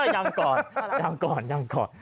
ย้ำกอดย้ำกอดย้ำกอด